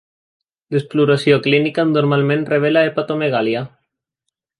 L'exploració clínica normalment revela hepatomegàlia.